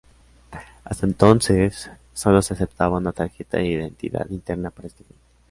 Hasta entonces, solo se aceptaba una tarjeta de identidad interna para este fin.